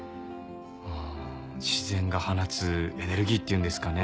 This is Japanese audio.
ああ自然が放つエネルギーっていうんですかね